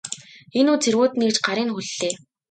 Энэ үед цэргүүд нь ирж гарыг нь хүллээ.